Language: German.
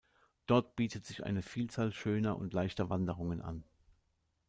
Dort bietet sich eine Vielzahl schöner und leichter Wanderungen an.